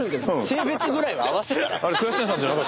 性別ぐらいは合わせたら？